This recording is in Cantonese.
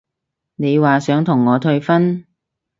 你話想同我退婚？